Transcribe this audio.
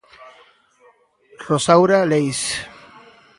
Rosaura Leis.